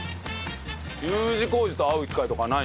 Ｕ字工事と会う機会とかないんですか？